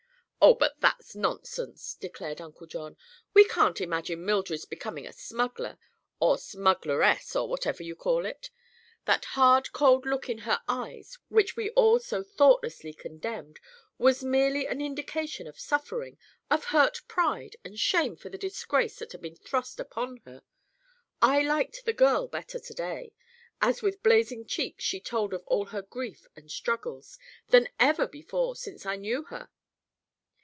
"Oh, but that's nonsense!" declared Uncle John. "We can't imagine Mildred's becoming a smuggler—or smuggleress, or whatever you call it. That hard, cold look in her eyes, which we all so thoughtlessly condemned, was merely an indication of suffering, of hurt pride and shame for the disgrace that had been thrust upon her. I liked the girl better to day, as with blazing cheeks she told of all her grief and struggles, than ever before since I knew her."